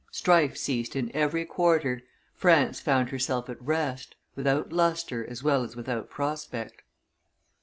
Strife ceased in every quarter; France found herself at rest, without lustre as well as without prospect.